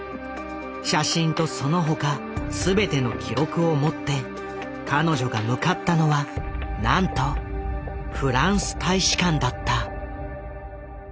写真とその他全ての記録を持って彼女が向かったのはなんとフランス大使館だった。